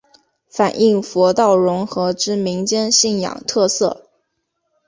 反应佛道融合之民间信仰特色。